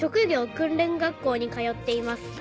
くんれん学校に通っています」